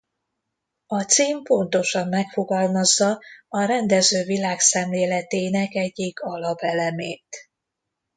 A cím pontosan megfogalmazza a rendező világszemléletének egyik alapelemét.